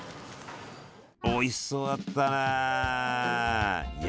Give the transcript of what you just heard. おいしそうだったね。